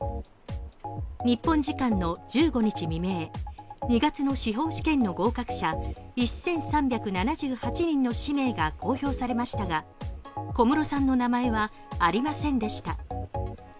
日本時間の１５日未明、２月の司法試験の合格者１３７８人の氏名が公表されましたが小室さんの名前はありませんでした。